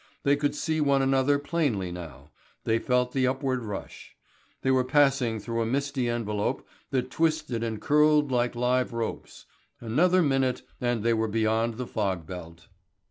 They could see one another plainly now; they felt the upward rush; they were passing through a misty envelope that twisted and curled like live ropes. Another minute and they were beyond the fog belt.